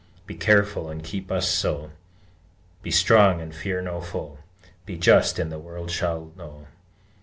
Be watchful, and keep us so: Be strong, and fear no foe: Be just, and the world shall know!